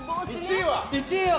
１位は？